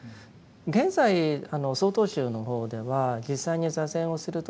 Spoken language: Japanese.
現在曹洞宗の方では実際に坐禅をする時にですね